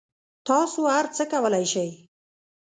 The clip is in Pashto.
تاسو هر څه کولای شئ